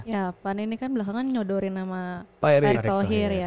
yang belakangan nyodorin sama pak erik thohir